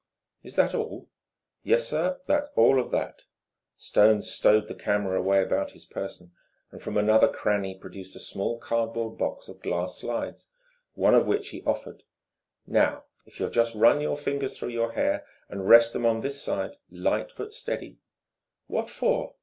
"Is that all?" "Yes, sir that's all of that." Stone stowed the camera away about his person and from another cranny produced a small cardboard box of glass slides, one of which he offered. "Now if you'll just run your fingers through your hair and rest them on this slide, light but steady...." "What for?"